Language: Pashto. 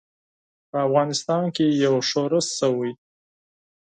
په افغانستان کې یو ښورښ شوی.